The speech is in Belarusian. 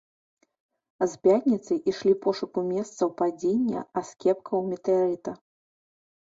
З пятніцы ішлі пошукі месцаў падзення аскепкаў метэарыта.